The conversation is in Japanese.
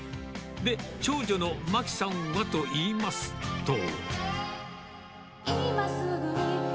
で、長女のまきさんはといいますと。